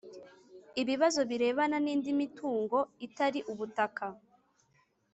Ibibazo birebana n indi mitungo itari ubutaka